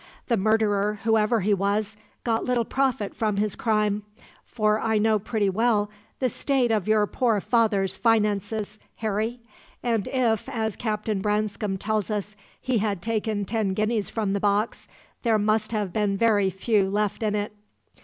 The murderer, whoever he was, got little profit from his crime, for I know pretty well the state of your poor father's finances, Harry; and if, as Captain Branscome tells us, he had taken ten guineas from the box, there must have been very few left in it."